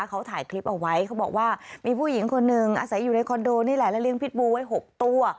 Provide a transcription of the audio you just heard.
เขาถ่ายคลิปเอาไว้เขาบอกว่ามีผู้หญิงคนหนึ่งอาศัยอยู่ในคอนโดนี่แหละแล้วเลี้ยพิษบูไว้๖ตัว